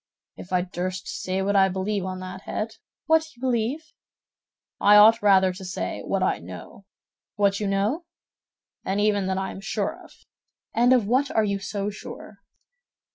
"If I durst say what I believe on that head—" "What you believe?" "I ought rather to say, what I know." "What you know?" "And even what I am sure of." "And of what are you so sure?"